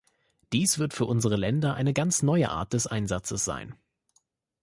Dies wird für unsere Länder eine ganz neue Art des Einsatzes sein.